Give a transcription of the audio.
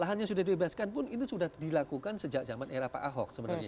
lahannya sudah dibebaskan pun itu sudah dilakukan sejak zaman era pak ahok sebenarnya